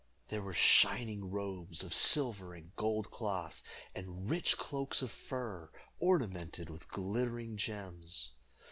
There were shining robes of silver and gold cloth, and rich cloaks of fur, ornamented with glittering gems.